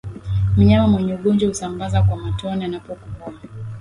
Mnyama mwenye ugonjwa husambaza kwa matone anapokohoa